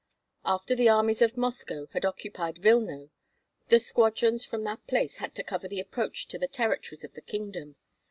After the armies of Moscow had occupied Vilno the squadrons from that place had to cover the approach to the territories of the kingdom.